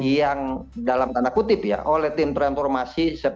yang dalam tanda kutip ya oleh tim transformasi